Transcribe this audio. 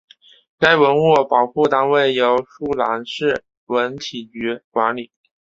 该文物保护单位由舒兰市文体局管理。